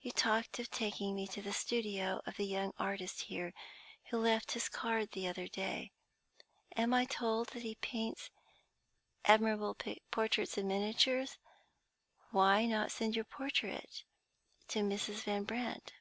You talked of taking me to the studio of the young artist here who left his card the other day. I am told that he paints admirable portraits in miniatures. Why not send your portrait to Mrs. Van Brandt?"